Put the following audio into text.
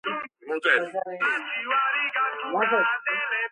ასევე განარჩევენ მათემატიკის ქვედარგს მრავალი ცვლადის კომპლექსური ანალიზი.